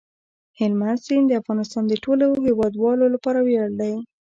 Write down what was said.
هلمند سیند د افغانستان د ټولو هیوادوالو لپاره ویاړ دی.